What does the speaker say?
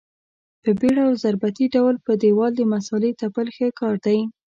په بېړه او ضربتي ډول په دېوال د مسالې تپل ښه کار دی.